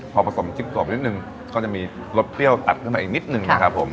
พอผสมจิ้มกรอบนิดนึงก็จะมีรสเปรี้ยวตัดขึ้นมาอีกนิดนึงนะครับผม